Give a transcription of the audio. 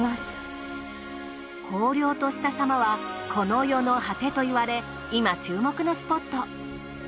荒涼としたさまはこの世の果てといわれ今注目のスポット。